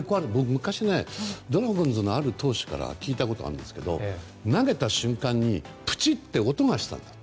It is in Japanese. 昔、ドラゴンズの投手から聞いたことがあるんですが投げた瞬間にプチッと音がした。